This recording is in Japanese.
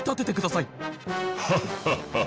ハッハッハ！